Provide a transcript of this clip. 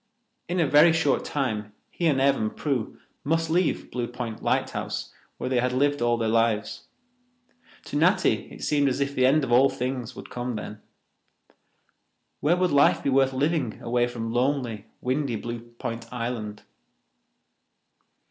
In a very short time he and Ev and Prue must leave Blue Point lighthouse, where they had lived all their lives. To Natty it seemed as if the end of all things would come then. Where would life be worth living away from lonely, windy Blue Point Island?